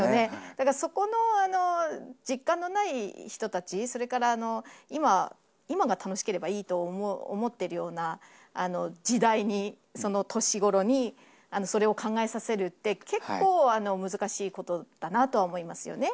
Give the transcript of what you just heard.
だからそこの実感のない人たち、それから今、今が楽しければいいと思っているような時代に、その年ごろに、それを考えさせるって、結構、難しいことだなとは思いますよね。